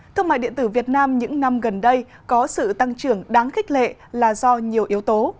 thương mại điện tử việt nam những năm gần đây có sự tăng trưởng đáng khích lệ là do nhiều yếu tố